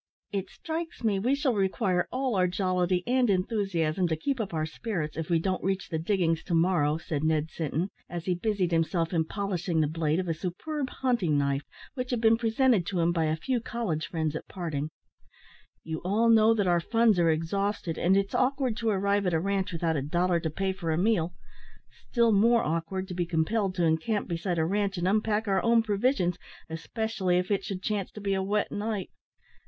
"It strikes me we shall require all our jollity and enthusiasm to keep up our spirits, if we don't reach the diggings to morrow," said Ned Sinton, as he busied himself in polishing the blade of a superb hunting knife, which had been presented to him by a few college friends at parting; "you all know that our funds are exhausted, and it's awkward to arrive at a ranche without a dollar to pay for a meal still more awkward to be compelled to encamp beside a ranche and unpack our own provisions, especially if it should chance to be a wet night.